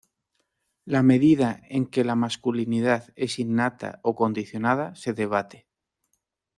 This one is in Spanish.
La medida en que la masculinidad es innata o condicionada se debate.